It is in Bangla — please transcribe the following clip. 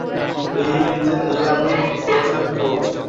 এই আমি তোর সাথে কথা বলছি।